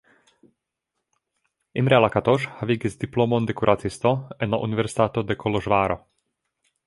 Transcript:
Imre Lakatos havigis diplomon de kuracisto en la Universitato de Koloĵvaro.